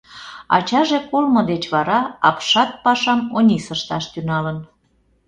Ачаже колымо деч вара апшат пашам Онис ышташ тӱҥалын.